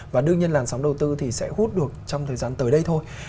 và đương nhiên làn sóng đầu tư thì sẽ hút được trong thời gian tới đây thôi